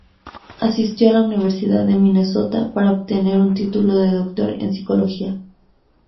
Asistió a la Universidad de Minnesota para obtener un título de doctor en Psicología.